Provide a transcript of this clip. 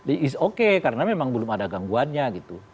is okay karena memang belum ada gangguannya gitu